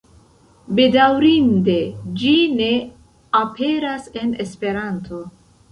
Bedaŭrinde, ĝi ne aperas en Esperanto.